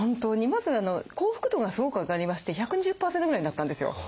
まず幸福度がすごく上がりまして１２０％ぐらいになったんですよ。